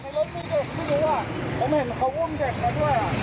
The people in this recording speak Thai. ไม่มีใครสู้ร้องมันได้สู้มันด้วยครับ